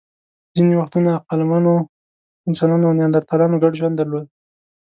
ځینې وختونه عقلمنو انسانانو او نیاندرتالانو ګډ ژوند درلود.